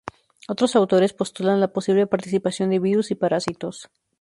Otros autores, postulan la posible participación de virus y parásitos.